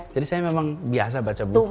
jadi saya memang biasa baca buku